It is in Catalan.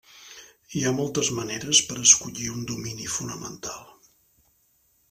Hi ha moltes maneres per escollir un domini fonamental.